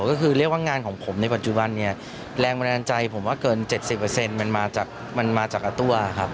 ก็คือเรียกว่างานของผมในปัจจุบันเนี่ยแรงบันดาลใจผมว่าเกิน๗๐มันมาจากมันมาจากกระตั้วครับ